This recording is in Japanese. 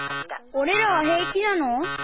おれらはへい気なの？